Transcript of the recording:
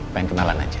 pengen kenalan aja